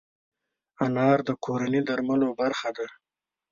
انار د کورني درملو برخه ده.